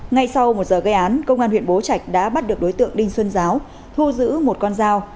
ngay sau một giờ gây án công an huyện bố trạch đã bắt được đối tượng đinh xuân giáo thu giữ một con dao